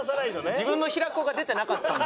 自分のヒラコが出てなかったんで。